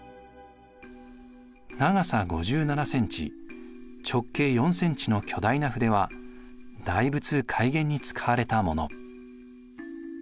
長さ５７センチ直径４センチの巨大な筆は大仏開眼に使われたもの。